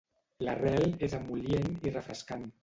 L'arrel és emol·lient i refrescant.